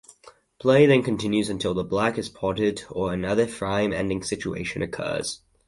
Play then continues until the black is potted or another frame-ending situation occurs.